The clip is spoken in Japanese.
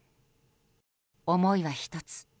思いは１つ。